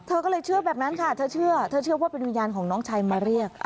เธอก็เลยเชื่อแบบนั้นค่ะเธอเชื่อเธอเชื่อว่าเป็นวิญญาณของน้องชายมาเรียก